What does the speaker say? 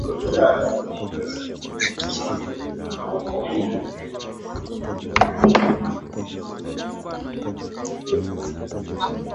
hasa Uislamu na dini za jadi Idadi yao inaongezeka haraka sana Kila baada